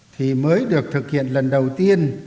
thì mới được thực hiện lần đầu tiên